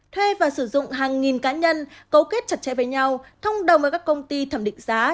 thuê và sử dụng hàng nghìn cá nhân cấu kết chặt chẽ với nhau thông đồng với các công ty thẩm định giá